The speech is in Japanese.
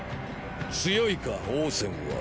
強いか王翦は。